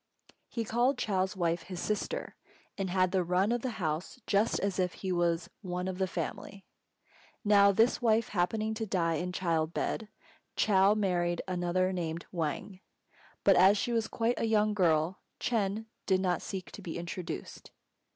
He called Chou's wife his "sister," and had the run of the house just as if he was one of the family. Now this wife happening to die in child bed, Chou married another named Wang; but as she was quite a young girl, Ch'êng did not seek to be introduced.